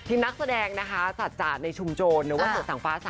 ทีมนักแสดงสัจจาดในชุมโจรเสือสังฟ้า๓